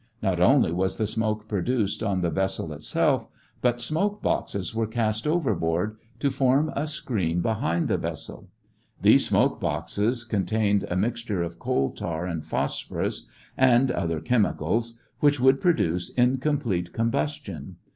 Not only was the smoke produced on the vessel itself, but smoke boxes were cast overboard to form a screen behind the vessel. These smoke boxes contained a mixture of coal tar and phosphorus and other chemicals which would produce incomplete combustion.